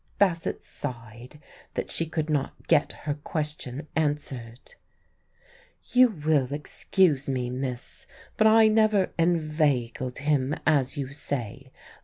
Bassett sighed that she could not get her question answered. "You will excuse me, miss, but I never 'inveigled' him, as you say.